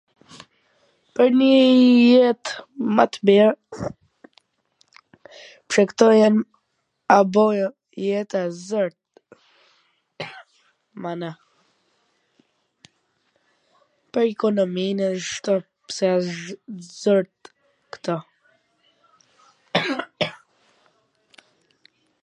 pwr njiii jet ma t mir, pse kto jan, a bo jeta zor, mana. Pwr ikonomin, edhe shto... pse a zor... kto.